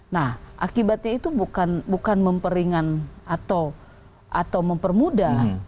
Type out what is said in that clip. nah akibatnya itu bukan memperingan atau mempermudah